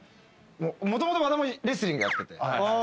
もともと和田もレスリングやってて。